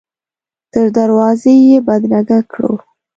تر دروازې یې بدرګه کړو.